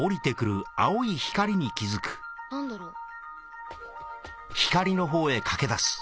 何だろう？